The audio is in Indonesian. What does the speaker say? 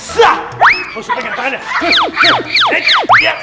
maksudnya pegang tangannya